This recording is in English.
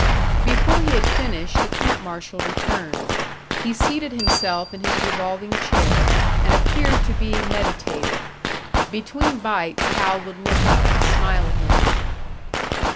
Before he had finished, the camp marshal returned. He seated himself in his revolving chair, and appeared to be meditative. Between bites, Hal would look up and smile at him.